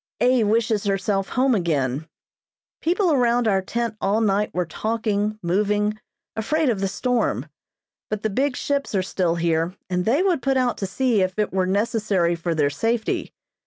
A. wishes herself home again. People around our tent all night were talking, moving, afraid of the storm, but the big ships are still here and they would put out to sea if it were necessary for their safety.